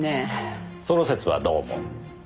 その節はどうも。